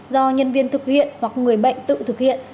do nhân viên thực hiện hoặc người bệnh tự thực hiện